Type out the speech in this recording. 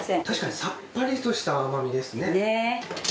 確かにさっぱりとした甘みですね。